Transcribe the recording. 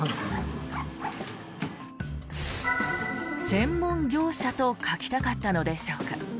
専門業者と書きたかったのでしょうか。